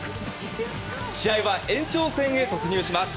試合は延長戦へ突入します。